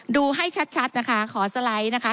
ดูให้ชัดนะคะขอสไลด์นะคะ